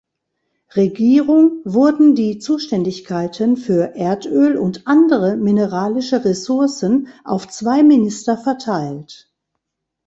Regierung wurden die Zuständigkeiten für Erdöl und andere mineralische Ressourcen auf zwei Minister verteilt.